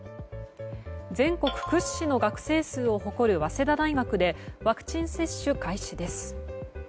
全国屈指の学生数を誇る早稲田大学でワクチン接種開始です。